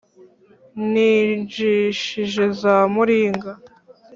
n'injishi za muringa